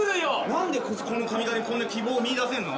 何でこの髪形にこんな希望を見いだせるの？